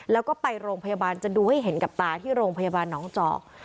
แล้วก็ไปโรงพยาบาลจะดูให้เห็นกับตาที่โรงพยาบาลน้องเจาะ